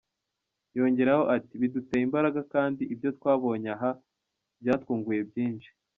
Yongeraho ati :”Biduteye imbaraga kandi ibyo twabonye aha byatwunguye byinshi”.